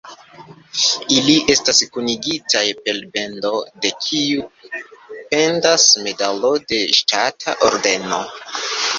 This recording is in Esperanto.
Ili estas kunigitaj per bendo, de kiu pendas medalo de ŝtata ordeno.